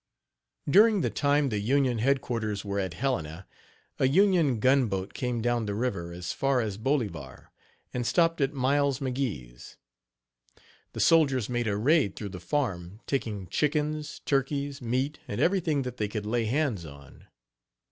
H4> During the time the Union headquarters were at Helena, a Union gun boat came down the river as far as Boliva, and stopped at Miles McGee's. The soldiers made a raid through the farm, taking chickens, turkeys, meat and everything that they could lay hands on.